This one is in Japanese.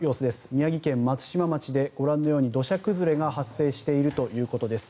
宮城県松島町でご覧のように土砂崩れが発生しているということです。